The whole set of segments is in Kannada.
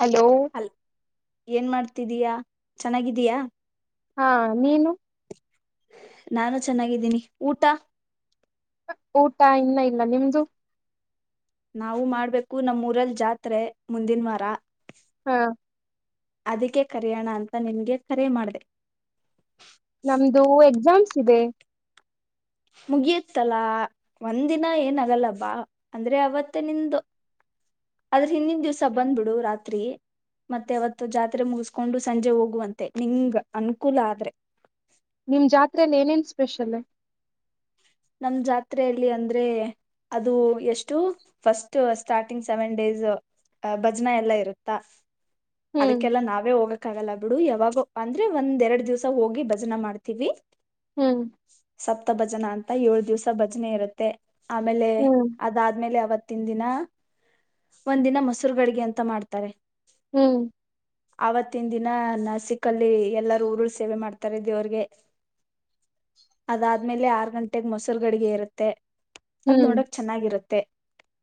ಹಲೋ ಅಲ್ ಏನ್ ಮಾಡ್ತಿದ್ದಿಯಾ ಚೆನ್ನಾಗಿದ್ದಿಯಾ. ಹಾ ನೀನು. ನಾನು ಚೆನ್ನಾಗಿದ್ದೀನಿ ಊಟಾ. ಊಟ ಇನ್ನ ಇಲ್ಲ ನಿಮ್ದು. ನಾವು ಮಾಡ್ಬೇಕು ನಮ್ಮ್ ಊರಲ್ಲಿ ಜಾತ್ರೆ ಮುಂದಿನ ವಾರ. ಹಾ ಅದಕ್ಕೆ ಕರಿಯೋಣ ಅಂತ ನಿನ್ಗೆ ಕರೆ ಮಾಡ್ದೆ. ನಮ್ದು ಎಕ್ಸಾಮ್ಸ್ ಇದೆ ಮುಗಿಯತ್ತಲ್ಲಾ ಒಂದಿನ ಏನ ಆಗಲ್ಲ ಬಾ ಅಂದ್ರೆ ಅವತ್ತೆ ನಿಂದು ಆದ್ರ ಹಿಂದಿನ ದಿವ್ಸ ಬಂದ್ಬಿಡು ರಾತ್ರಿ. ಮತ್ತೆ ಅವತ್ತು ಜಾತ್ರೆ ಮುಗಸ್ಕೊಂಡು ಸಂಜೆ ಹೋಗುವಂತೆ ನಿಂಗ್ ಅನುಕೂಲ ಆದ್ರೆ. ನಿಮ್ಮ್ ಜಾತ್ರೆಯಲ್ಲಿ ಏನೇನು ಸ್ಪೆಷಲ್ಲ. ನಮ್ಮ್ ಜಾತ್ರೆಯಲ್ಲಿ ಅಂದ್ರೆ ಅದು ಎಷ್ಟು ಫಸ್ಟ್ ಸ್ಟಾರ್ಟಿಂಗ್ ಸೆವೆನ್ ಡೇಸ್. ಅ ಭಜನಾ ಎಲ್ಲ ಇರುತ್ತಾ ಹ್ಮ್ ಅದಕ್ಕೆಲ್ಲಾ ನಾವೇ ಹೋಗ ಕ್ಕಾಗಲ್ಲ ಬಿಡು ಯಾವಾಗೋ ಅಂದ್ರೆ ಒಂದ್ ಎರಡ್ ದಿವ್ಸ ಹೋಗಿ ಭಜನಾ ಮಾಡ್ತೀವಿ. ಹ್ಮು ತ್ತ್ ಭಜನಾ ಅಂತ ಏಳ ದಿವ್ಸ ಭಜನೆ ಇರುತ್ತೆ ಆಮೇಲೆ ಹ್ಮ್ ಅದಾದ್ಮೇಲೆ ಅವತ್ತಿನ ದಿನ ಒಂದಿನ ಮೊಸೂರು ಗಡ್ಗೆ ಅಂತ ಮಾಡ್ತಾರೆ. ಹ್ಮು ಆವತ್ತಿನ ದಿನ ನಸಿಕಲ್ಲಿ ಎಲ್ಲಾರೂ ಊರುಳ ಸೇವೆ ಮಾಡ್ತಾರೆ ದೇವ್ರಗೆ. ಅದಾದ್ಮೇಲೆ ಆರ್ ಗ ಗಂಟೆಗ ಮೊಸರ್ ಗಡಿಗೆ ಇರುತ್ತೆ ಅದ್ ಹ್ಮ್ ನೋಡೋಕ್ ಚೆನ್ನಾಗಿರುತ್ತೆ.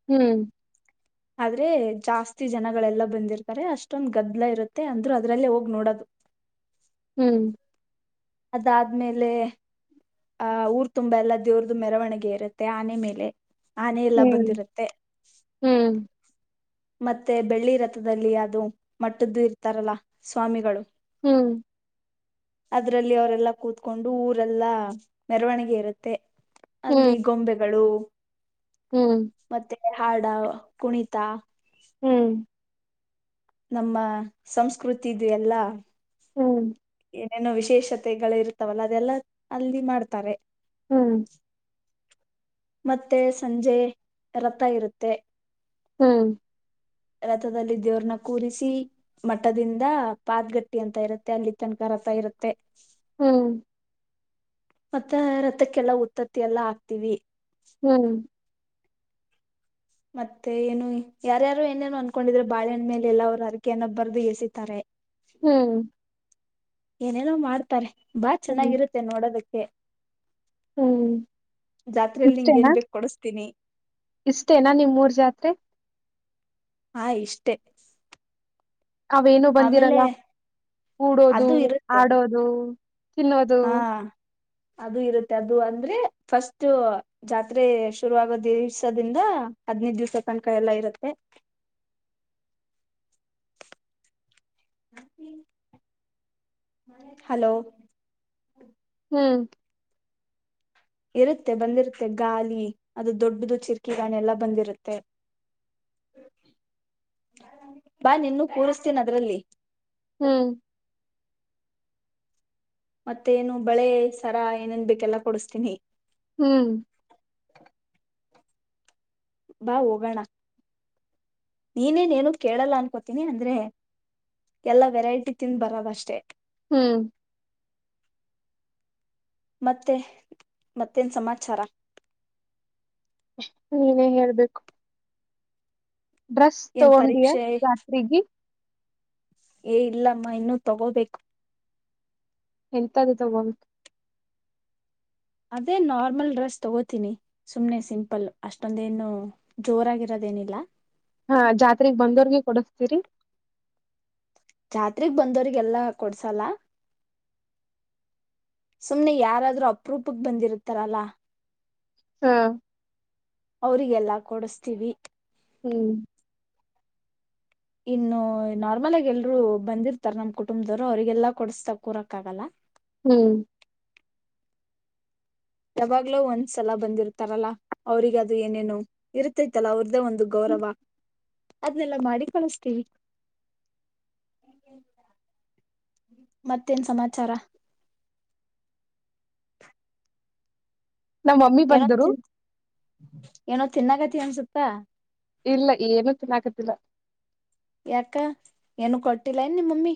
ಹ್ಮ್ ಆದ್ರೆ ಜಾಸ್ತಿ ಜನಗಳೆಲ್ಲ ಬಂದಿರ್ತಾರೆ ಅಷ್ಟೊಂದ್ ಗದ್ಲ ಇರುತ್ತೆ ಅಂದ್ರು ಅದ್ರಲ್ಲೇ ಹೋಗ್ ನೋಡೋದು. [inaudible] ಹ್ಮು ಅದಾದ್ಮೇಲೆ ಆ ಊರ್ ತುಂಬಾ ಎಲ್ಲ ದೇವ್ರ್ದು ಮೆರವಣಿಗೆ ಇರುತ್ತೆ ಆನೆ ಮೇಲೆ. ಆನೆ ಎಲ್ಲ ಬಂದಿರುತ್ತೆ. ಹ್ಮ್ ಮತ್ತೆ ಬೆಳ್ಳಿ ರಥದಲ್ಲಿ ಅದು ಮಟ್ಟದ್ದು ಇರ್ತಾರಲ್ಲ ಸ್ವಾಮಿಗಳು ಹ್ಮು ಅದ್ರಲ್ಲಿ ಅವರೆಲ್ಲಾ ಕೂತ್ಕೊಂಡು ಊರೆಲ್ಲಾ ಮೆರವಣಿಗೆ ಇರುತ್ತೆ. ಅಲ್ಲಿ ಹ್ಮ್ ಗೊಂಬೆಗಳು ಹ್ಮ್ ಮತ್ತೆ ಹಾಡ ಕುಣಿತ ಹ್ಮ್ ಹ್ಮ್ ನಮ್ಮ ಸಂಸ್ಕೃತಿಿದು ಎಲ್ಲಾ ಹ್ಮ್ ಏನೇನುೋ ವಿಶೇಷತೆಗಳು ಇರ್ತವಲ್ಲ ಅದೆಲ್ಲಾ ಅಲ್ಲಿ ಮಾಡ್ತಾರೆ ಹ್ಮ್ ಮತ್ತೆ ಸಂಜೆ ರಥ ಇರುತ್ತೆ ಹ್ಮ್ ರಥದಲ್ಲಿ ದೇವ್ರನ ಕೂರಿಸಿ ಮಠದಿಂದ ಪಾತ್ಗಟ್ಟಿ ಅಂತ ಇರುತ್ತೆ ಅಲ್ಲಿ ತನ್ಕಾರತ ಇರುತ್ತೆ ಮತ್ತ ರಥಕ್ಕೆಲ್ಲಾ ಉತ್ತತ್ತಿ ಎಲ್ಲ ಹಾಕ್ತಿೀವಿ ಹ್ಮ್ ಮತ್ತೆ ಏನು ಯಾರ್ಯಾರು ಏನೇನು ಅನ್ಕೊಂಡಿದ್ರೆ ಬಾಳೆ ಮೇಲೆ ಎಲ್ಲ ಅವ ಅರಕೆನ್ನೊಬ್ಬರ್ದು ಎಸಿತಾರೆ ಹ್ಮ್ ಏನೇನೋ ಮಾಡ್ತಾರೆ ಬಾ ಹ್ಮ್ ಹ್ಮ್ ಚೆನ್ನಾಗಿರುತ್ತೆ ನೋಡೋದಕ್ಕೆ ಹ್ಮ್ ಜಾತ್ರೆಯಲ್ಲಿ ನಿಂಗ ಇಷ್ಟೇನಾ ನ್ ಬೇು ಕೊಡಸ್ತೀನಿ ಇಷ್ಟೇನಾ ನಿಮ್ಮ್ೂರ್ ಜಾತ್ರೆ ಆ ಇಷ್ಟೆ ಅವೇನು ಬಂದಿರಲ್ಲ ಕೂಡೋದು ಅದು ಇರುತ್ತೆ ಆಡೋದು ತಿನ್ನೋದು ಹಾ ಅದು ಇರುತ್ತೆ ಅದು ಅಂದ್ರೆ ಫಸ್ಟ್ ಜಾತ್ರೆ ಶುರುವಾಗೋ ದಿವಸದಿಂದ ಹದ್ನೈದು ದಿವ್ಸ ತನಕ ಎಲ್ಲ ಇರುತ್ತೆ ಹಲೋ ಹ್ಮ್ ಇರುತ್ತೆ ಬಂದಿರುತ್ತೆ ಗಾಲಿ ಅದು ದೊಡ್ಡದು ಚಿರ್ಕಿಗಾಣೆ ಎಲ್ಲ ಬಂದಿರುತ್ತೆ ಬಾ ನಿನ್ನ ಕುರುಸ್ತೀನಿ ಅದರಲ್ಲಿ ಹ್ಮ್ ಮತ್ತೇನು ಬಳೆ ಸರಾ ಏನೇನ್ ಬೇಕೆಲ್ಲಾ ಕೊಡಸ್ತೀನಿ ಹ್ಮ್ ಬಾ ಹೋಗೋಣ ನೀನೇನೇನು ಕೇಳಲ್ಲ ಅನ್ಕೋತೀನಿ ಅಂದ್ರೆ ಎಲ್ಲ ವೆರೈಟಿ ತಿಿಂದ ಬರದ ಅಷ್ಟೇ ಹ್ಮ್ ಮತ್ತೆ ಮತ್ತೇನ್ ಸಮಾಚಾರ ನೀನೇ ಹೇಳ್ಬೇಕು ಡ್ರೆಸ್ ಏನ್ ತಗೊಂಡಿಯ ಪರೀಕ್ಷೆ ಜಾತ್ರೆಗೆ ಏ ಇಲ್ಲಮ್ಮ ಇನ್ನುೂ ತಗೋಬೇಕು ತದ ಬ [unintelligible] ಅದೇ ನಾರ್ಮಲ್ ಡ್ರೆಸ್ ತಗೋತೀನಿ ಸುಮ್ನೆ ಸಿಂಪಲ್ ಅಷ್ಟೊಂದೇನು ಜೋರಾಗಿರೋ ಏನೆಲ್ಲ ಹಾ ಜಾತ್ರೆಗ್ ಬಂದೋರ್ಗೆ ಕೊಡಸ್ತೀರಿ ರಾತ್ರಿಗ್ ಬಂದ್ರಿಗೆಲ್ಲಾ ಕೊಡ್ಸಲ್ಲ ಸುಮ್ಮ್ನೆ ಯಾರಾದ್ರೂ ಅಪ್ರೂಪಗೆ ಬಂದಿರುತ್ತಾರಲ್ಲ ಹಾ ಅವ್ರರಿಗೆಲ್ಲ ಕೊಡಸ್ತೀವಿ ಹ್ಮ್ ಇನ್ನು ನಾರ್ಮಲ್ ಆಗ ಎಲ್ರು ಬಂದಿರ್ತಾರ ನಮ್ ಕುಟುಂಬದವರು ಅವ್ರರಿಗೆಲ್ಲಾ ಕೊಡಸ್ತ ಕೂರಕ್ ಆಗಲ್ಲ ಹ್ಮ್ ಯಾವಾಗ್ಲೋ ಒಂದ್ಸಲ ಬಂದಿರ್ತಾರಲ್ಲಾ ಅವ್ರಿಗ ಅದು ಏನೇನು ಇರ್ತೈತ್ತಲ್ಲ ಅವ್ರದ್ದೇ ಒಂದು ಗೌರ ಅದಲ್ಲ ಮಾಡಿ ಕಳಸ್ತೀವಿ ಮತ್ತೇನ್ ಸಮಾಚಾರ ನಮ್ ಮಮ್ಮಿ ಏನೋ ಬಂದರು ತಿನ್ ಏನೋ ತಿನ್ನಾಗತಿ ಅನ್ಸುತ್ತ ಇಲ್ಲ ಏನು ತಿನ್ನಕತಿಲ್ಲ ಯಾಕ ಏನು ಕೊಟ್ಟಿಲ್ಲ ನಿಮ್ಮಮ್ಮಿ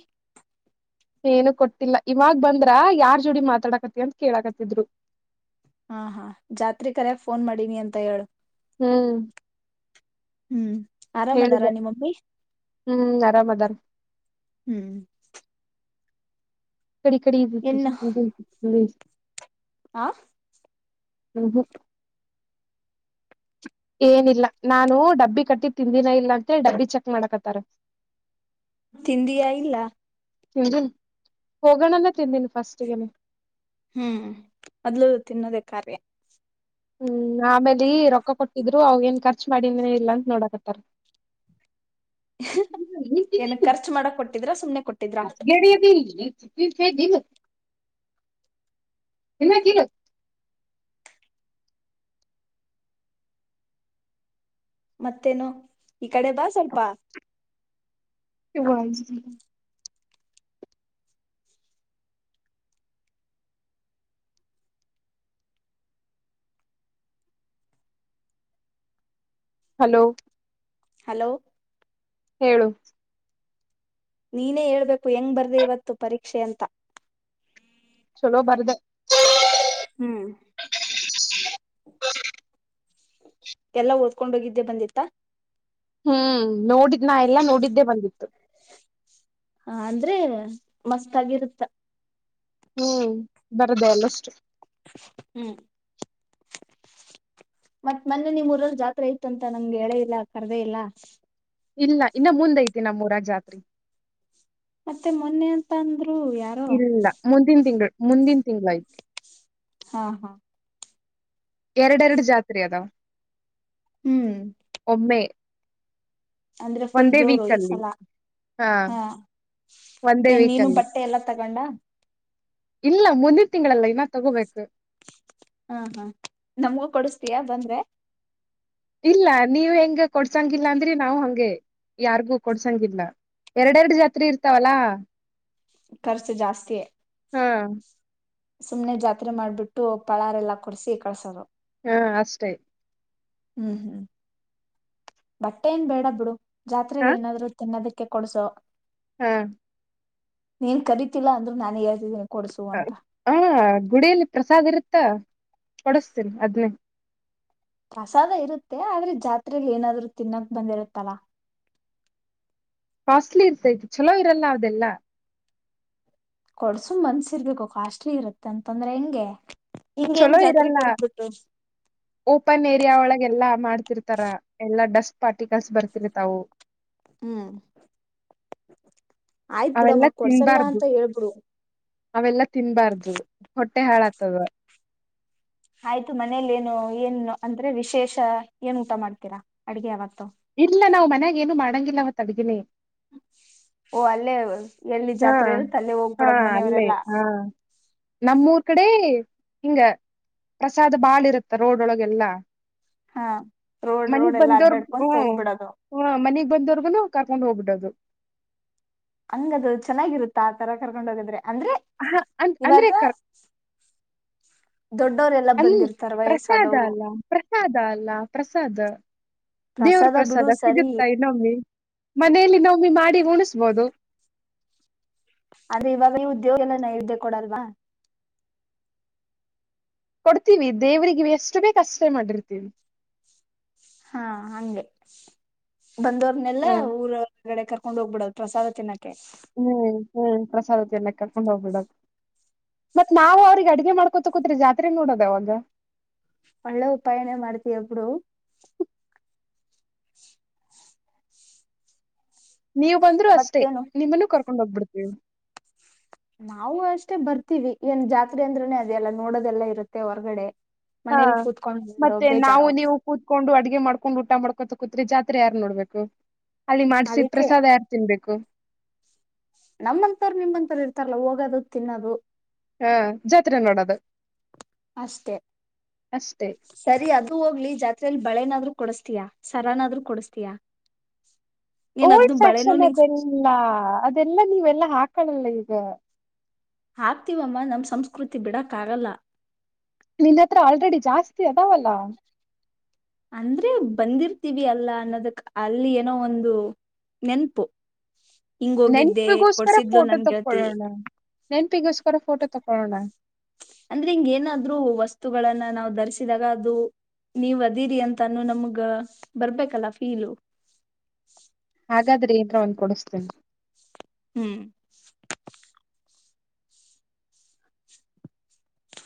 ಏನು ಕೊಟ್ಟಿಲ್ಲ ಇವಾಗ ಬಂದ್ರ ಯಾರ್ ಜೋಡಿ ಮಾತಾಡಕತಿ ಅಂತ ಕೇಳಕತ್ತಿದ್ರು ಹಾ ಹಾ ಜಾತ್ರೆ ಕರ್ಯಾಗ ಫೋನ್ ಮಾಡೀನಿ ಅಂತ ಹೇಳು ಹ್ಮ್ ಹ್ಮ್ ಆರಾಮ್ ಅದಾರ ಹೇಳಿದೆ ನಿಮ್ ಮಮ್ಮಿ ಹ್ಮ್ ಆರಾಮ್ ಅದಾರ ಹ್ಮ್ ಕಡೆ ಕಡೆ ಇದ ಏನ್ [unintelligible] ಆ ಹ್ಮ ಹ್ಮ ಏನಿಲ್ಲ ನಾನು ಡಬ್ಬಿ ಕಟ್ಟಿ ತಿಂದಿನ ಇಲ್ಲ ಅಂತೇಳಿ ಡಬ್ಬಿ ಚೆಕ್ ಮಾಡಕತ್ತಾರ ತಿಂದಿಯಾ ಇಲ್ಲ ಹನ್ ಹೋಗಣನ ತಿಂದೀನಿ ಫಸ್ಟ್ಗನೆ ಹ್ಮ್ ಮೊದ್ಲು ತಿನ್ನೋದೇ ಕಾರ್ಯ ಹ್ಮ್ ಆಮೇಲೆ ರೊಕ್ಕ ಕೊಟ್ಟಿದ್ರು ಅವ ಏನ್ ಖರ್ಚು ಮಾಡಿನೇ ಇಲ್ಲ ಅಂತ ನೋಡಕಟ್ಟಾರ [inaudible] ಏನ ಖರ್ಚು ಮಾಡಕ್ ಕೊಟ್ಟಿದ್ರ ಸುಮ್ನೆ ಕೊಟ್ಟಿದ್ರಾ ೇ ದಗ ನಿ ತಿಗ [unintelligible] ಮತ್ತೇನು ಈ ಕಡೆ ಬಾ ಸ್ವಲ್ಪ ವ [inaudible] ಹಲೋ ಹಲೋ ಹೇಳು ನೀನೇ ಹೇಳ್ಬೇಕು ಹೆಂಗ್ ಬರ್ದೆ ಇವತ್ತು ಪರೀಕ್ಷೆ ಅಂತ ಚಲೋ ಬರ್ದೇ ಹ್ಮ್ ಎಲ್ಲಾ ಓದ್ಕೊಂಡೋಗಿದ್ದೆ ಬಂದಿತ್ತ ಹ್ಮ್ ನೋಡಿದ್ ನಾ ಎಲ್ಲಾ ನೋಡಿದ್ದೇ ಬಂದಿತ್ತು ಹ ಅಂದ್ರೆ ಮಸ್ತ್ ಆಗಿರುತ್ತ ಹ್ಮ್ ಬರದೇ ಅಲ್ಲಷ್ಟು ಹ್ಮ್ ಮತ್ತ್ ಮೊನ್ನೆ ನಿಮ್ಮೂರರ್ ಜಾತ್ರೆ ಇತ್ ಅಂತ ನಂಗೆ ಎಳೇ ಇಲ್ಲ ಕರ್ದೇ ಇಲ್ಲ ಇಲ್ಲ ಇನ್ನ ಮುಂದ್ ಐತಿ ನಮ್ಮೂರ ಜಾತ್ರಿ ಮತ್ತೆ ಮೊನ್ನೆ ಅಂತ ಅಂದ್ರು ಯಾರೋ ಇಲ್ಲ ಮುಂದಿನ ತಿಂಗಳು ಮುಂದಿನ ತಿಂಗಳಾಯ್ತು ಹಾ ಹಾ ಎರಡೆರಡು ಜಾತ್ರೆ ಅದಾ ಹ್ಮ್ ಅಂದ್ರೆ ಫುಲ್ ಒಂದೇ ಜೋರು ವೀಕ್ ಈ ಅಲ್ಲಿ ಸಲ ಹಾ ಒಂದೇ ಏನ್ ವೀಕ್ ನೀನು ಅಲ್ಲಿ ಬಟ್ಟೆ ಎಲ್ಲಾ ತಗೊಂಡ ಇಲ್ಲ ಮುಂದಿನ ತಿಂಗಳಲ್ಲ ಇನ್ನ ತಗೋಬೇಕು ಹಾ ಹಾ ನಮ್ಗೂ ಕೊಡಸ್ತಯಾ ಬಂದ್ರೆ ಇಲ್ಲ ನೀವ್ ಹೆಂಗ ಕೊಡ್ಸಂಗಿಲ್ಲ ಅಂದ್ರೆ ನಾವ್ ಹಗೆ ಯಾರ್ಗೂ ಕೊಡ್ಸಂಗಿಲ್ಲ ಎರಡೆರಡು ಜಾತ್ರೆ ಇರ್ತಾವಲ್ಲಾ ಖರ್ಚು ಜಾಸ್ತಿ ಹಾ ಸುಮ್ನೆ ಜಾತ್ರೆ ಮಾಡ್ಬಿಟ್ಟು ಪಳಾರೆ ಎಲ್ಲಾ ಕೊಡಸಿ ಕಳ್ಸೋರು ಹಾ ಅಷ್ಟೇ ಹ್ಮ್ ಹ್ಮ್ ಬಟ್ಟೆ ಏನ್ ಬೇಡ ಬಿಡು ಜಾತ್ರೆೆಯಲ್ಲಿ ಏನಾದ್ರು ತಿನ್ನೋದಕ್ಕೆ ಕೊಡ್ಸೋ ಹ್ಮ ನೀನ್ ಕರಿತಿಲ್ಲಾ ಅಂದ್ರರು ನಾನನ್ ಹೇಳ್ತೀ ಹ ಗುಡಿಯಲ್ಲಿ ಪ್ರಸಾದ್ ಇರುತ್ತ ಕೊಡಸ್ತೀನಿ ಅದ್ನ್ನೇ ಪ್ರಸಾದ ಇರುತ್ತೆ ಆದ್ರೆ ಜಾತ್ರಲಿ ಏನಾದ್ರು ತಿನ್ನಕ್ ಬಂದಿರುತ್ತಲ್ಲ [unintelligible] ಕಾಸ್ಟ್ಲಿ ಇರ್ತೈತ ಚಲೋ ಇರಲ್ಲ ಅವದೆಲ್ಲ ಕೊಡ್ಸುಮ್ ಮನ್ಸಿರ್ಬೇಕು ಕಾಸ್ಟ್ಲಿ ಇರುತ್ತೆ ಅಂತಂದ್ರೆ ಹೆಂಗೆ ಹಿಂಗೇನ್ ಚಲೋ ಜಾತ್ರೆ ಇರಲ್ಲ ಕರ್ದಬಿಟ್ಟು ಓಪನ್ ಏರಿಯಾ ಒಳಗೆ ಎಲ್ಲಾ ಮಾಡ್ತಿರ್ತಾರ ಎಲ್ಲಾ ಡಸ್ಟ್ ಪಾಟಿ ಕಲ್ಸ್ ಬರ್ತೀರಿ ತಾವು ಹ್ಮ್ ಆಯ್ತ್ ಅವೆಲ್ಲಾ ಬಿಡಮ್ಮಕ್ ಕೊಡ್ಸಲ್ಲ ತಿನ್ಬಾರ್ದು ಅಂತ ಹೇಳ್ಬಿಡು ಅವೆಲ್ಲಾ ತಿನ್ಬಾರ್ದು ಹೊಟ್ಟೆ ಹಾಳ ಆತದ ಆಯ್ತು ಮನೇಲಿ ಏನು ಏನು ಅಂದ್ರೆ ವಿಶೇಷ ಏನ್ ಊಟ ಮಾಡ್ತೀರಾ ಅಡ್ಗೆ ಯಾವಾಗ ಇಲ್ಲ ನಾವ್ ಮನ್ಯಾಗ ಏನು ಮಾಡಂಗಿಲ್ಲ ಅವತ್ತಡಗಿನಿ ಓ ಅಲ್ಲೇ ಎಲ್ಲಿ ಹಾ ಜಾತ್ರೆ ಇರುತ್ತೆ ಅಲ್ಲೇ ಹಾ ಹೋಗ್ಬಿಡದ್ ಅಲ್ಲೇ ಮನೆಯವರೆಲ್ಲಾ ಹಾ ನಮ್ಮೂರ್ ಕಡೆ ಹಿಂಗ ಪ್ರಸಾದ ಬಾಳ ಇರುತ್ತ ರೋಡ್ಳಗೆಲ್ಲಾ [unintelligible] ರೋಡ್ ಮನಗ್ ರೋಡ್ ಎಲ್ಲಾ ಬಂದೋರ್ಗ್ ಅಡ್ಡಾಡ್ಕೊಂತ ಹ ಹೋಗ್ಬಿಡೋದು ಹ ಮನಗ್ ಬಂದೋರ್ಗುನು ಕರ್ಕೊಂಡ್ ಹೋಗ್ಬಡ ಹ [unintelligible] ಅದು ಚೆನ್ನಾಗಿರುತ್ತಾ ತರ ಕರ್ಕೊಂಡ ಹೋಗಿದ್ರೆ ಅಂದ್ರೆ ಹ ಅಂದ್ ಇವಾಗ [unintelligible] ಅಲ್ಲಿ ಬಂದಿರ್ತಾರ ಪ್ರಸಾದ ವಯಸ್ಸಾದವ್ರು ಅಲ್ಲ ಪ್ರಸಾದ ಅಲ್ಲ ಪ್ರಸಾದ ದೇವ್ರ ಬಿಡು ಪ್ರಸಾದ ಸರಿ ಸಿಗುತ್ತಾ ಇ ನೋಗೆ ಮನೇೆಯಲ್ಲಿ ನಮ್ಮಿ ಮಾಡಿ ಉಣಿಸಬೋದು ಅದೆ ಇವಾಗ ದೇವಿಗೆ ಎಲ್ಲ ನೈದೆ ಕೊಡಲ್ವಾ ಕೊಡ್ತೀವಿ ದೇವ್ರರಿಗೆ ಎಷ್ಟು ಬೇಕ ಅಸರ ಮಾಡಿರ್ತೀವಿ ಹಾ ಹಂಗೆ ಬಂದವರ್ನೆೆಲ್ಲಾ ಹ್ಮ್ ಊರ ಒರಗಡೆ ಕರ್ಕ ಕೊಂಡ್ ಹೋಗ್ಬಿಡ್ದ ಪ್ರಸಾದ ತಿನ್ನಕ್ಕೆ ಹ್ಮ್ ಹ್ಮ್ ಪ್ರಸಾದದ ಎನಕ್ಕ ಸಂಭವ ಕೂಡ ಮತ್ ನಾವು ಅವ್ರಿಗೆ ಅಡ್ಗೆ ಮಾಡ್ಕೊತ ಕೂತ್ ಜಾತ್ರೆ ನೋಡೋದ ಅವಾಗ ಒಳ್ಳೆ ಉಪಾಯನೇ ಮಾಡ್ತೀಯಾ ಬಿಡೋ [unintelligible] ನೀವು ಬಂದ್ರರು ಅಷ್ಟೇ ಮತ್ತೇನು ನಿಮ್ಮನ್ನು ಕರ್ಕೊಂಡ ಹೋಗ್ಬಿಡ್ತೀವಿ ನಾವವು ಅಷ್ಟೇ ಬರ್ತೀವಿ ಏನ್ ಜಾತ್ರೆ ಅಂದ್ರನೆ ಅದೆಲ್ಲ ನೋಡೋದೆಲ್ಲ ಇರುತ್ತೆ ಹೊರಗಡೆ ಹಾ ಮತ್ತೆ ನಾವು ನೀವು ಕೂತ್ಕೊಂಡು ಅಡ್ಗೆ ಮಾಡ್ಕೊಂಡು ಊಟ ಮಾಡ್ಕೊತ ಕುೂತ್ ಜಾತ್ರೆ ಯಾರ್ ನೋಡ್ಬೇಕು ಅಲ್ಲಿ ಮಾಡ್ಸಿ ಪ್ರಸಾದ ಯಾರ್ ತಿನ್ಬೇಕು ನಮ್ಮಂತರು ನಿಮಂತವರು ಇರ್ತಾರಲ್ಲ ಹೋಗದು ತಿನ್ನದು ಹಾ ಜಾತ್ರ ನೋಡೋದು ಅಷ್ಟೇ ಅಷ್ಟೇ ಸರಿ ಅದು ಹೋಗ್ಲಿ ಜಾತ್ರೆಯಲ್ಲಿ ಬಳೆ ನಾದ್ರು ಕೊಡಸ್ತಯಾ ಸರಾನಾದ್ರರು ಕೊಡಸ್ತಯಾ ಓಲ್ಡ್ ಫ್ಯಾಶನ್ ಅದೆಲ್ಲ ಅದೆಲ್ಲಾ ನೀವೆಲ್ಲಾ ಹಾಕಳಲ್ಲ ಈಗ ಆಗ್ತವಮ್ಮ ನಮ್ ಸಂಸ್ಕೃತಿ ಬಿಡಕ್ಕಾಗಲ್ಲ ನಿನ್ ಹತ್ರ ಆಲ್ರೆಡಿ ಜಾಸ್ತಿ ಅದಾವಲ್ಲ ಅಂದ್ರೆ ಬಂದಿರ್ತೀವಿ ಅಲ್ಲ ಅನ್ನೋದಕ್ ಅಲ್ಲಿ ಏನೋ ಒಂದು ನೆನಪು ನೆನ್ಪಿಗೋಸ್ಕರ ಫೋಟೋ ನನ್ ಗೆಳತಿ ತಕ್ಕೊೊಳ್ಳೋಣ ನೆನ್ಪಿಗೋಸ್ಕರ ಫೋಟೋ ತಕೊಳ್ಳೋಣ ಅಂದ್ರೆ ಹಿಂಗ ಏನಾದ್ರು ವಸ್ತುಗಳನ್ನ ನಾವು ಧರಿಸಿದಾಗ ಅದು ನೀವ ಅದಿರಿ ಅಂತಾನೂ ನಮಗ ಬರ್ಬೇಕಲ್ಲ ಫೀಲು ಹಾಗಾದ್ರೆ ಏಂದ್ರ ಒಂದ್ ಕೊಡಸ್ತೇನೆ ಹ್ಮ್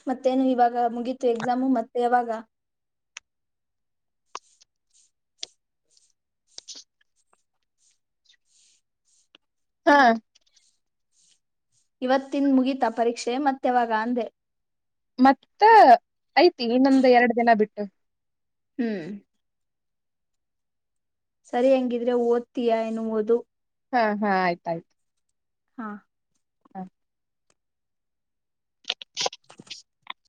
ಮತ್ತೇನು ಇವಾಗ ಮುಗೀತು ಎಕ್ಸಾಮು ಮತ್ತೆ ಯಾವಾಗ ಹಾ ಇವತ್ತಿನ ಮುಗೀತ ಪರೀಕ್ಷೆ ಮತ್ತೆವಾಗ ಅಂದೆ ಮತ್ತೆ ಐತಿ ಇನ್ನೊಂದು ಎರಡು ದಿನ ಬಿಟ್ಟು ಹ್ಮ್ ಸರಿ ಹಂಗಿದ್ರೆ ಓದ್ತೀಯಾ ಎನ್ನುವುದು ಹಾ ಹಾ ಆಯ್ತ ಆಯ್ತು ಹಾ ಹ್ಮ [unintelligible]